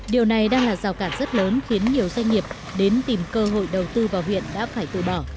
điều này đang là rào cản rất lớn khiến nhiều doanh nghiệp đến tìm cơ hội đầu tư vào huyện đã phải tự bỏ